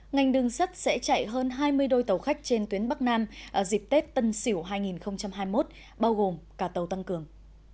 ngành đường sắt sẽ chạy hơn hai mươi đôi tàu khách trên tuyến bắc nam dịp tết tân sỉu hai nghìn hai mươi một bao gồm cả tàu tăng cường